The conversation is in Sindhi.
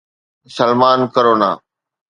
سلمان ڪرونا